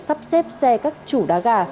sắp xếp xe các chủ đá gà